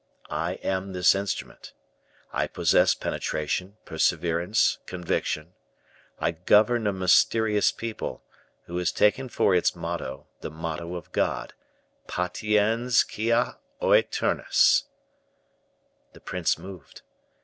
I am this instrument. I possess penetration, perseverance, conviction; I govern a mysterious people, who has taken for its motto, the motto of God, 'Patiens quia oeternus.'" The prince moved.